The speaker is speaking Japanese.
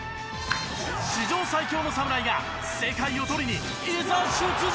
史上最強の侍が世界をとりにいざ出陣！